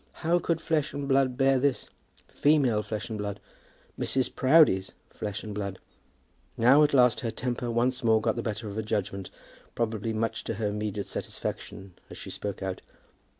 How could flesh and blood bear this, female flesh and blood, Mrs. Proudie's flesh and blood? Now, at last, her temper once more got the better of her judgment, probably much to her immediate satisfaction, and she spoke out.